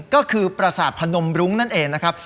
ก็คือประสาทพนมรุ้งนั่นเองนะครับ